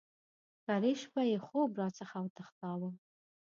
کرۍ شپه یې خوب را څخه وتښتاوه.